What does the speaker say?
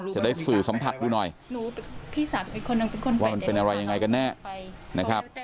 จะได้สื่อสัมผัสดูหน่อยว่ามันเป็นอะไรยังไงกันแน่นะครับ